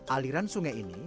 aliran sungai ini